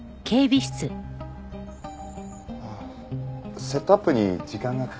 ああセットアップに時間がかかって。